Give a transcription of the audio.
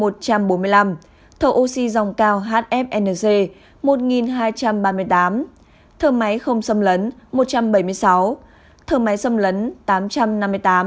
thở oxy dòng cao hfnc một hai trăm ba mươi tám thở máy không xâm lấn một trăm bảy mươi sáu thở máy xâm lấn tám trăm năm mươi tám